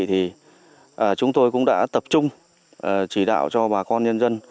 thì chúng tôi cũng đã tập trung chỉ đạo cho bà con nhân dân